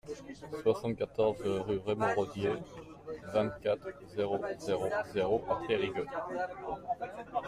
soixante-quatorze rue Raymond Raudier, vingt-quatre, zéro zéro zéro à Périgueux